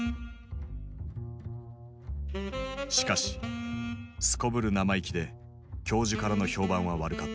しかしすこぶる生意気で教授からの評判は悪かった。